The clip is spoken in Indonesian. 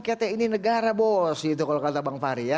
katanya ini negara bos gitu kalau kata bang fahri ya